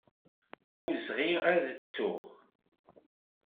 D awezɣi ad t-ttuɣ.